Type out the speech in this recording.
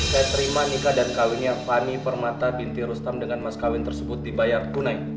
saya terima nikah dan kawinnya fani permata binti rustam dengan mas kawin tersebut dibayar tunai